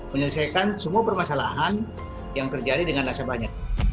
menyelesaikan semua permasalahan yang terjadi dengan nasabahnya